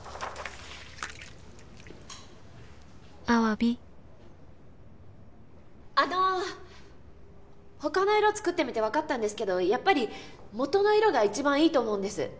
アワビあの他の色作ってみて分かったんですけどやっぱり元の色が一番いいと思うんです。